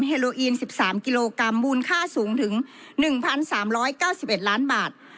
เฮโลอีนสิบสามกิโลกรัมมูลค่าสูงถึงหนึ่งพันสามร้อยเก้าสิบเอ็ดล้านบาท